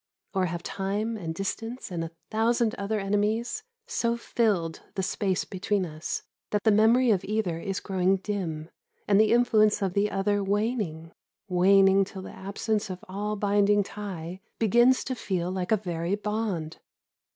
Or have time, and distance, and a thousand other enemies, so filled the space between us that the memory of either is growing dim, and the influence of the other waning, waning till the absence of all binding tie begins to feel like a very bond.